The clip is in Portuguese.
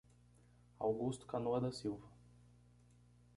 Augusto Canoa da Silva